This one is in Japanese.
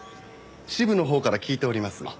支部のほうから聞いております。